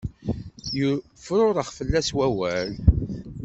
Yefrurex fell-as wawal.